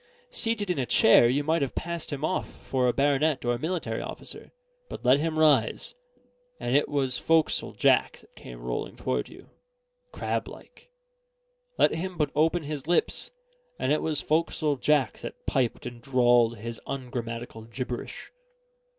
Seated in a chair, you might have passed him off for a baronet or a military officer; but let him rise, and it was Fo'c's'le Jack that came rolling toward you, crab like; let him but open his lips, and it was Fo'c's'le Jack that piped and drawled his ungrammatical gibberish.